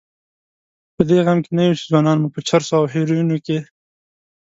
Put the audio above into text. په دې غم کې نه یو چې ځوانان مو په چرسو او هیرویینو کې.